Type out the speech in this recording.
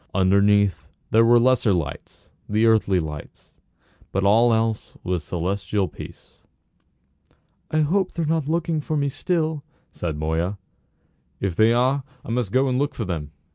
Underneath there were the lesser lights, the earthly lights, but all else was celestial peace. "I hope they're not looking for me still," said Moya. "If they are I must go and look for them."